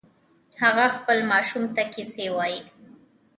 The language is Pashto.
هغه خپل ماشوم ته کیسې وایې